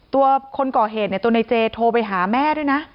คนก่อเหตุเนี่ยตัวในเจโทรไปหาแม่ด้วยนะ